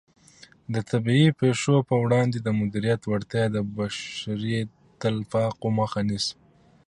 د طبیعي پېښو په وړاندې د مدیریت وړتیا د بشري تلفاتو مخه نیسي.